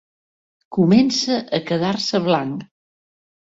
Comença a quedar-se blanc.